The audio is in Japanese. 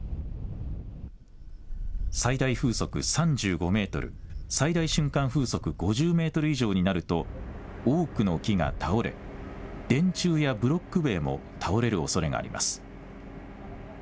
最大風速３５メートル、最大瞬間風速５０メートル以上になると、多くの木が倒れ、電柱やブロック塀も倒れるおそれがあります。